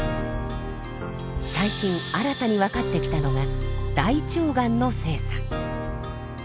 最近新たに分かってきたのが大腸がんの性差。